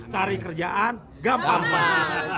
cari kerjaan gampang